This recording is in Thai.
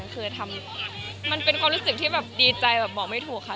คือทำมันเป็นความรู้สึกที่แบบดีใจแบบบอกไม่ถูกค่ะ